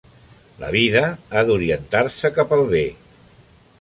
La vida ha d'orientar-se cap al bé.